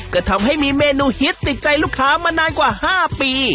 ก็ทำให้มีเมนูฮิตติดใจลูกค้ามานานกว่า๕ปี